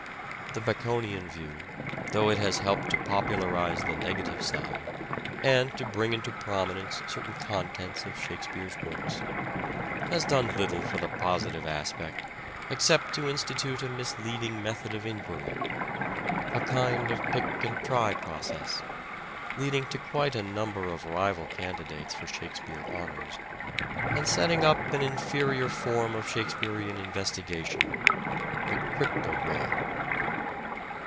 The Baconian view, though it has helped to popularize the negative side, and to bring into prominence certain contents of Shakespeare's works, has done little for the positive aspect except to institute a misleading method of enquiry : a kind of pick and try process, leading to quite a number of rival candidates for Shakespeare honours, and setting up an inferior form of Shakespearean investigation, the " cryptogram."